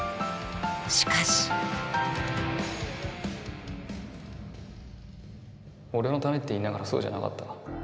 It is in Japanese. しかし俺のためって言いながらそうじゃなかった。